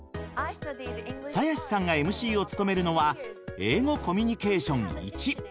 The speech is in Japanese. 鞘師さんがＭＣを務めるのは「英語コミュニケーションⅠ」。